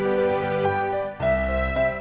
mau ke parkiran mak